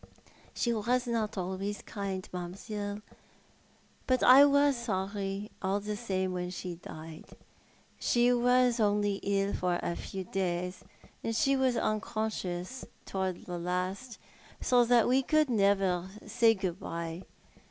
" She was not always kind, mam'selle, but I was sorry all the same when she died. Slie was only ill for a few days, and she was unconscious towards the last, so that we could never say good bye.